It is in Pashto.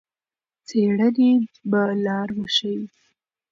څېړنې به لار وښيي.